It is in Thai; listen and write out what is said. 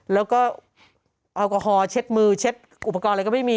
แล้วก็แอลกอฮอลเช็ดมือเช็ดอุปกรณ์อะไรก็ไม่มี